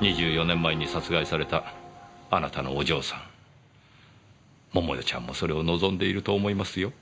２４年前に殺害されたあなたのお嬢さん桃代ちゃんもそれを望んでいると思いますよ。